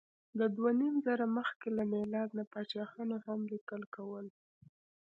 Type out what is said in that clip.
د دوهنیمزره مخکې له میلاد نه پاچاهانو هم لیکل کول.